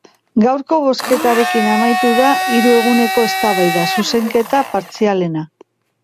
Gaurko bozketarekin amaitu da hiru eguneko eztabaida, zuzenketa partzialena.